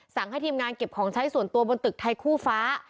ให้ทีมงานเก็บของใช้ส่วนตัวบนตึกไทยคู่ฟ้า